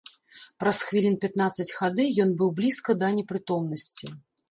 Праз хвілін пятнаццаць хады ён быў блізка да непрытомнасці.